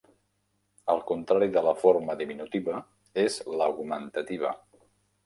El contrari de la forma diminutiva és l'augmentativa.